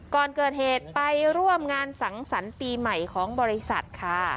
ก่อนเกิดเหตุไปร่วมงานสังสรรค์ปีใหม่ของบริษัทค่ะ